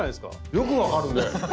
よく分かるね。